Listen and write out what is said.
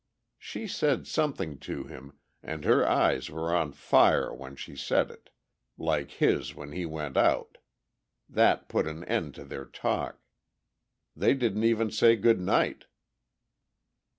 She said something to him, and her eyes were on fire when she said it, like his when he went out; that put an end to their talk. They didn't even say good night."